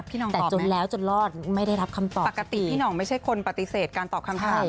พี่หนองตอบไหมปกติพี่หนองไม่ใช่คนปฏิเสธการตอบคำถาม